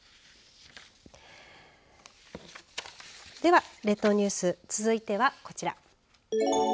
では列島ニュース続いてはこちら。